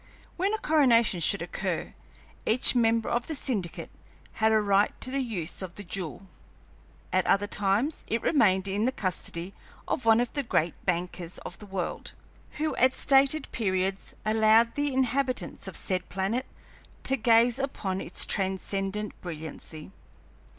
When a coronation should occur, each member of the syndicate had a right to the use of the jewel; at other times it remained in the custody of one of the great bankers of the world, who at stated periods allowed the inhabitants of said planet to gaze upon its transcendent brilliancy.